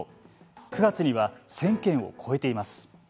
９月には１０００件を超えています。